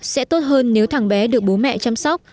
sẽ tốt hơn nếu thằng bé được bố mẹ chăm sóc